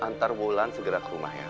ntar wulan segera ke rumah ya